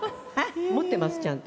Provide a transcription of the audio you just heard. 持っていますちゃんと。